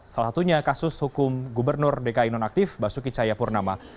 salah satunya kasus hukum gubernur dki nonaktif basuki cahayapurnama